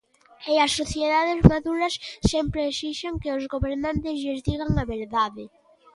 E as sociedades maduras sempre exixen que os gobernantes lles digan a verdade.